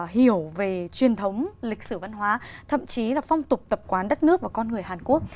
hiểu về truyền thống lịch sử văn hóa thậm chí là phong tục tập quán đất nước và con người hàn quốc